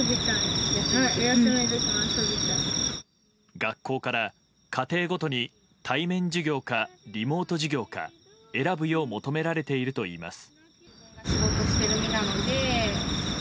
学校から家庭ごとに対面授業か、リモート授業か選ぶよう求められているといいます。